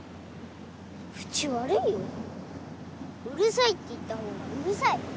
うるさいって言った方がうるさい。